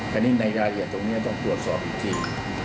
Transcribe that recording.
อันนี้ในรายละเอียดตรงนี้ต้องตรวจสอบอีกที